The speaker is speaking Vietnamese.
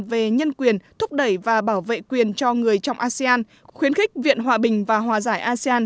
về nhân quyền thúc đẩy và bảo vệ quyền cho người trong asean khuyến khích viện hòa bình và hòa giải asean